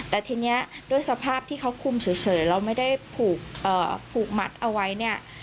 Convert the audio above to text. แต่ทีนี้ด้วยสภาพที่เขาคุมเฉยเราไม่ได้ผูกมัดเอาไว้เนี่ย